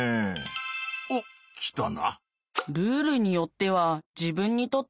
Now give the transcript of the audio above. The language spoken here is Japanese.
おっ来たな！